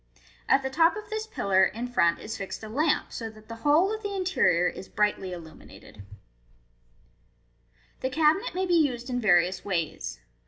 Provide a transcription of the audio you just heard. At the top of this pillar, in front, is fixed a lamp, so that the whole of the interior is brightly illuminated. 476 MODERN MAGIC. The cabinet may be used in various ways.